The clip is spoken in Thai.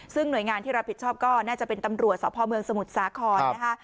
ซึ่งหน่วยงานที่เราผิดชอบก็น่าจะเป็นตำรวจสเมสมุทรสาคอน